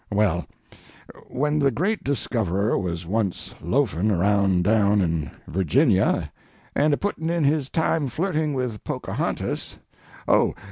Well, when the great discoverer was once loafn' around down in Virginia, and a puttin' in his time flirting with Pocahontas—oh!